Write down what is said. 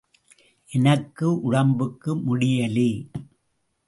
எனக்கு உடம்புக்கு முடியலே.